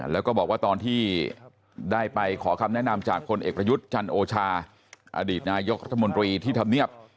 แล้วก็บอกว่าตอนที่ได้ไปขอคำแนะนำจากพลเอกประยุทธ์จันโอชาอดีตนายกรัฐมนตรีที่ทำเนียบ